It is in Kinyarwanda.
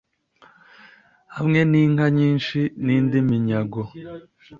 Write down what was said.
hamwe n’inka nyinshi n’indi minyago.